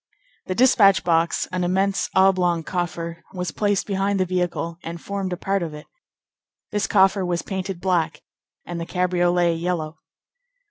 The despatch box, an immense oblong coffer, was placed behind the vehicle and formed a part of it. This coffer was painted black, and the cabriolet yellow.